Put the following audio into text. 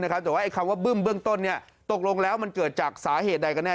แต่ว่าคำว่าบึ้มเบื้องต้นตกลงแล้วมันเกิดจากสาเหตุใดกันแน